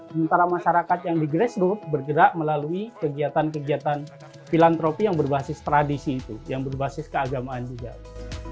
sementara masyarakat yang di grassroot bergerak melalui kegiatan kegiatan filantropi yang berbasis tradisi itu yang berbasis keagamaan juga